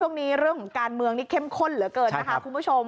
เรื่องของการเมืองนี่เข้มข้นเหลือเกินนะคะคุณผู้ชม